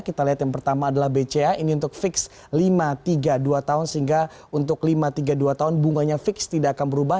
kita lihat yang pertama adalah bca ini untuk fix lima tiga dua tahun sehingga untuk lima tiga dua tahun bunganya fix tidak akan berubah